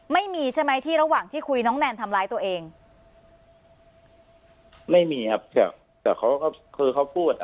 ไม่มีใช่ไหมที่ระหว่างที่คุยน้องแนนทำร้ายตัวเองไม่มีครับใช่แต่เขาก็คือเขาพูดอ่ะ